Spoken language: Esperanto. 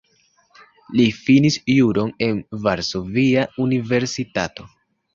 Li finis juron en Varsovia Universitato.